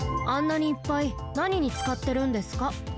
あんなにいっぱいなににつかってるんですか？